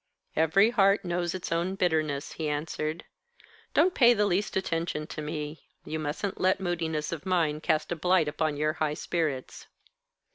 "Every heart knows its own bitterness," he answered. "Don't pay the least attention to me. You mustn't let moodiness of mine cast a blight upon your high spirits."